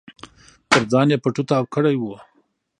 تر ځان يې پټو تاو کړی و.